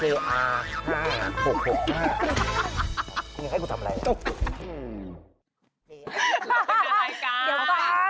เราเป็นงานรายการเดี๋ยวปั้น